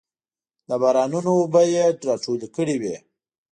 د بارانونو اوبه یې راټولې کړې وې.